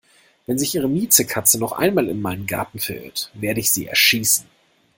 Wenn sich Ihre Miezekatze noch einmal in meinen Garten verirrt, werde ich sie erschießen!